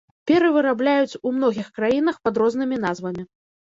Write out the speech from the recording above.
Перы вырабляюць ў многіх краінах пад рознымі назвамі.